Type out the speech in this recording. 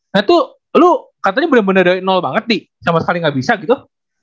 nah itu lo katanya bener bener nol banget nih sama sekali nggak bisa gitu